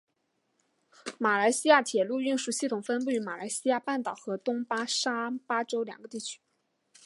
马来西亚铁路运输系统分布于马来西亚半岛和东马沙巴州两个地区。